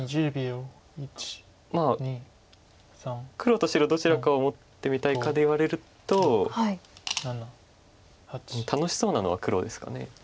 まあ黒と白どちらかを持ってみたいかで言われると楽しそうなのは黒ですか。